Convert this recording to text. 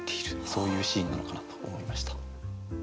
そういうシーンなのかなと思いました。